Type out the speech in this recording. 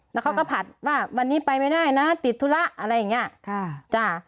แล้วเขาก็ผัดว่าวันนี้ไปไม่ได้นะติดธุระอะไรอย่างนี้